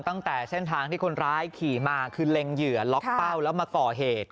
ตั้งแต่เส้นทางที่คนร้ายขี่มาคือเล็งเหยื่อล็อกเป้าแล้วมาก่อเหตุ